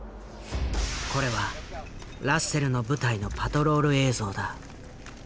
これはラッセルの部隊のパトロール映像だ。